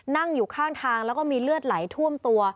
นั่งอยู่ข้างทางแล้วก็มีเลือดไหลท่วมตัว